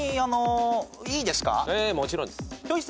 ええもちろんです。